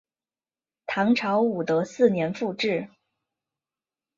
唐朝武德四年复置。